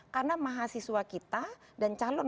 karena mahasiswa kita dan calon